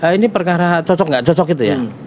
ini perkara cocok gak cocok gitu ya